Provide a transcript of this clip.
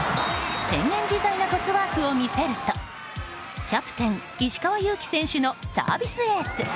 変幻自在のトスワークを見せるとキャプテン、石川祐希選手のサービスエース。